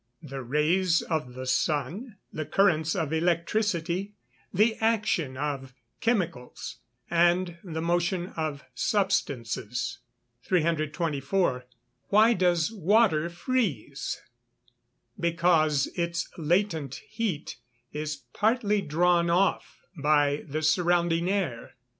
_ The rays of the sun, the currents of electricity, the action of chemicals, and the motion of substances. 324. Why does water freeze? Because its latent heat is partly drawn off by the surrounding air.